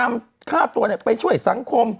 เขาก็ถือเป็นความผิดพลาดของแพทย์ด้วยในครั้งนี้